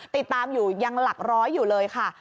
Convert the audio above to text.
ติดตามอยู่ยังหลักร้อยอยู่เลยค่ะ